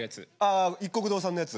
あいっこく堂さんのやつ？